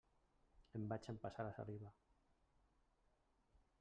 Em vaig empassar la saliva.